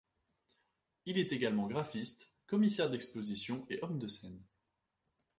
Il est également graphiste, commissaire d'exposition et homme de scène.